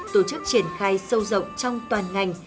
tổ chức triển khai sâu rộng trong toàn ngành